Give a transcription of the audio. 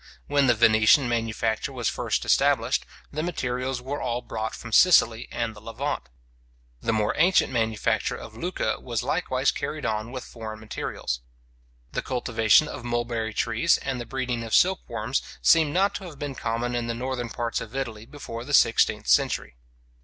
When the Venetian manufacture was first established, the materials were all brought from Sicily and the Levant. The more ancient manufacture of Lucca was likewise carried on with foreign materials. The cultivation of mulberry trees, and the breeding of silk worms, seem not to have been common in the northern parts of Italy before the sixteenth century.